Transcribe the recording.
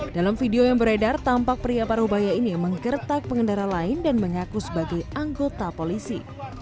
dalam video yang beredar tampak pria paruh baya ini menggertak pengendara lain dan mengaku sebagai anggota polisi